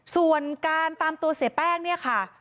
ส่วนการตามตัวเสียแป้งเนี่ยค่ะ